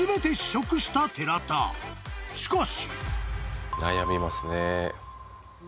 ［しかし］